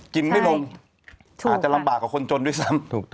กินไม่ลงอาจจะลำบากกว่าคนจนด้วยซ้ำ